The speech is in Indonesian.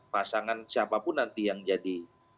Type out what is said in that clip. pasangan siapapun nanti yang jadi